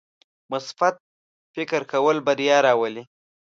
مثبت فکر کول بریا راولي.